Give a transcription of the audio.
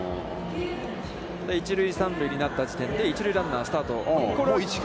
一塁三塁になった時点で、一塁ランナーはスタート。